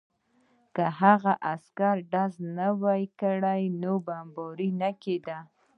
که هغه عسکر ډزې نه وای کړې نو بمبار نه کېده